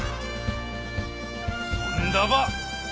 そんだば！